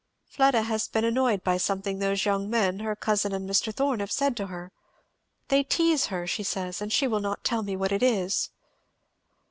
"Fleda has been annoyed by something those young men, her cousin and Mr. Thorn, have said to her; they tease her, she says, and she will not tell me what it is."